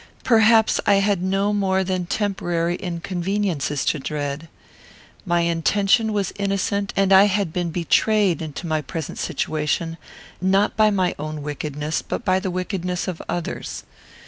Perhaps I had no more than temporary inconveniences to dread. My intention was innocent, and I had been betrayed into my present situation, not by my own wickedness, but the wickedness of others.